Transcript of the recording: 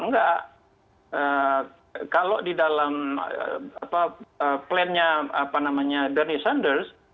nggak kalau di dalam plannya apa namanya bernie sanders